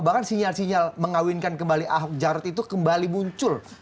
bahkan sinyal sinyal mengawinkan kembali ahok jarot itu kembali muncul